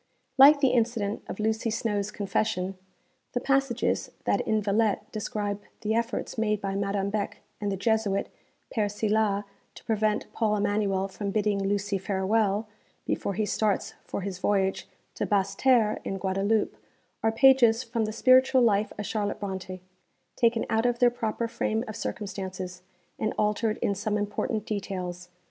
Like the incident of Lucy Snowe's 'Confession,' the passages that in Villette describe the efforts made by Madame Beck and the Jesuit, Père Silas, to prevent Paul Emanuel from bidding Lucy farewell, before he starts for his voyage to Basseterres in Guadeloupe, are pages from the spiritual life of Charlotte Brontë taken out of their proper frame of circumstances, and altered in some important details.